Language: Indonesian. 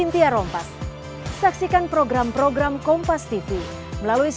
tidak cukup mencalonkan sendiri